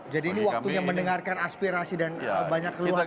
jadi ini waktunya mendengarkan aspirasi dan banyak keluhan dari publik